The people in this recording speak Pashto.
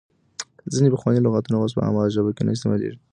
ځینې پخواني لغاتونه اوس په عامه ژبه کې نه استعمالېږي.